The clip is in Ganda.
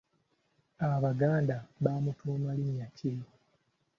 Abaganda bamutuuma linnya ki?